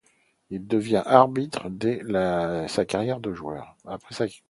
Il devient arbitre après sa carrière de joueur.